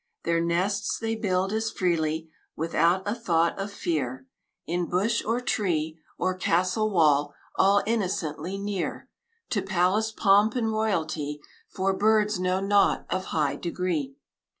Their nests they build as freely, Without a thought of fear, In bush or tree, or castle wall, All innocently near To palace pomp and royalty; For birds know naught of high degree.